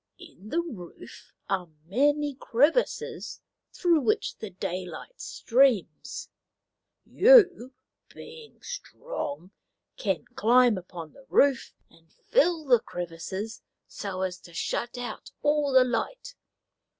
" In the roof are many crevices through which the daylight streams. You, being strong, can climb upon the roof and fill the crevices so as to shut out all the light.